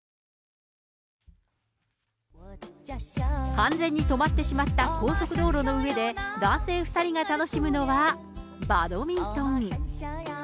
完全に止まってしまった高速道路の上で、男性２人が楽しむのは、バドミントン。